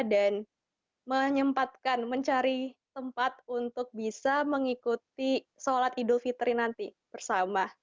dan menyempatkan mencari tempat untuk bisa mengikuti sholat idul fitri nanti bersama